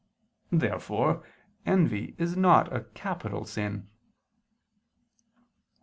Therefore envy is not a capital sin.